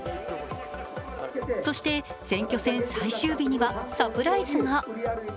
そして選挙戦最終日にはサプライズが。